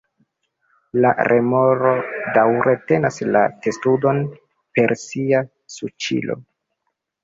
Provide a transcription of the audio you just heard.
La remoro daŭre tenas la testudon per sia suĉilo.